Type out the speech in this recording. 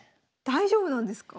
大丈夫なんですか？